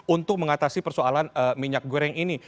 untuk mengatasi persoalan minyak goreng ini